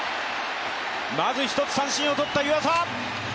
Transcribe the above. まず１つ三振をとった湯浅。